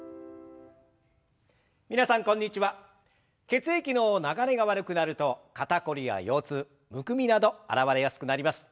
血液の流れが悪くなると肩凝りや腰痛むくみなど現れやすくなります。